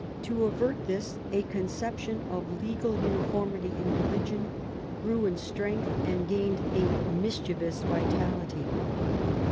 To avert this a conception of legal uniformity in religion grew in strength and gained a mischievous vitality.